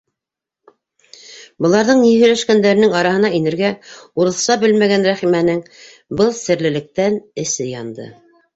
Быларҙың ни һөйләшкәндәренең араһына инергә урыҫса белмәгән Рәхимәнең был серлелектән эсе янды.